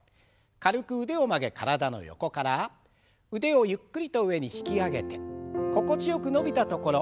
軽く腕を曲げ体の横から腕をゆっくりと上に引き上げて心地よく伸びたところ。